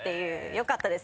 よかったです。